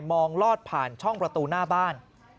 งลอดผ่านช่องประตูหน้าบ้าน